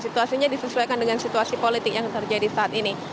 situasinya disesuaikan dengan situasi politik yang terjadi saat ini